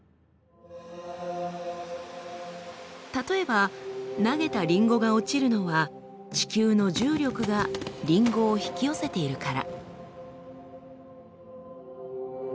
例えば投げたりんごが落ちるのは地球の重力がりんごを引き寄せているから。